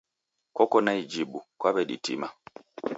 Koko na ijibu, kwaweditima.